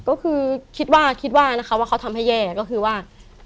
ก็คือคิดว่าเขาทำให้แย่ก็คือว่า